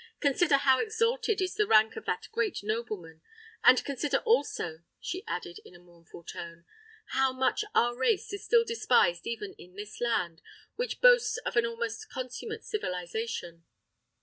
Consider how exalted is the rank of that great nobleman—and consider, also," she added, in a mournful tone, "how much our race is still despised even in this land, which boasts of an almost consummate civilisation!"